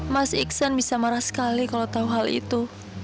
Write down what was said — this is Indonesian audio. mas iksan bisa marah sekali kalau tahu hal itu